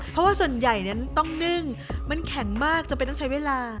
เพราะว่าส่วนใหญ่นั้นต้องนึ่งมันแข็งมากจำเป็นต้องใช้เวลา